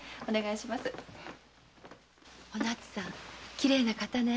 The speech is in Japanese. きれいな方ね。